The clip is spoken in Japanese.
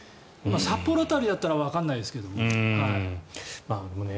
札幌辺りだったらわからないですけどね。